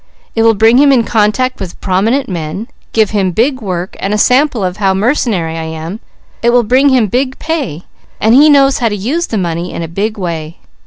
It will bring him in contact with prominent men, give him big work and a sample of how mercenary I am it will bring him big pay and he knows how to use the money in a big way.